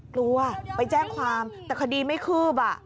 กลัวไปแจ้งความแต่คดีไม่คืบ